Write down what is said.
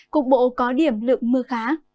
cục bộ có điểm lượng mưa khá